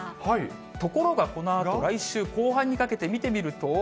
ところがこのあと来週後半にかけて見てみると。